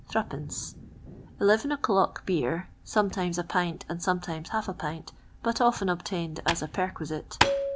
03 Eleven o'clock beer, sometimes a pint and sometimes half a pint, but often obtained as a perquisite